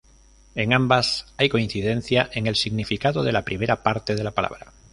En ambas hay coincidencia en el significado de la primera parte de la palabra.